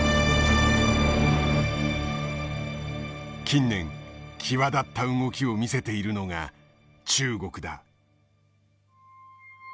近年際立った動きを見せているのが中国だ。